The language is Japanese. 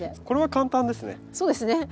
これは簡単ですね。